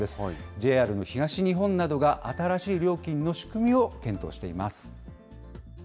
ＪＲの東日本などが、新しい料金の仕組みを検討しています。